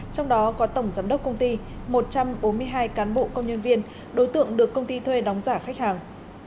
trong đó có tổng giám đốc công ty một trăm bốn mươi hai cán bộ công nhân viên đối tượng được công ty thuê đóng giả khách hàng